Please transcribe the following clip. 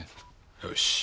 よし。